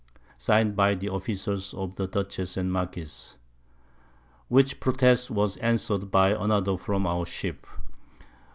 Sign'd by the Officers of the Dutchess and Marquiss. Which Protest was answer'd by another from our Ship.